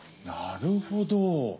なるほど！